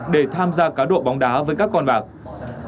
để tham gia cá độ bóng đá với các con bạc